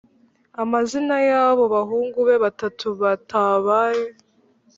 Amazina y’abo bahungu be batatu batabaye